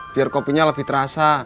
biar kopinya lebih terasa